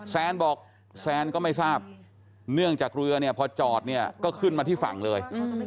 แซนบอกแซนก็ไม่ทราบเนื่องจากเรือเนี่ยพอจอดเนี่ยก็ขึ้นมาที่ฝั่งเลย